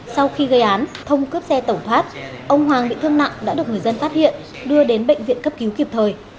sau khi gây án thông cướp xe tẩu thoát ông hoàng bị thương nặng đã được người dân phát hiện đưa đến bệnh viện cấp cứu kịp thời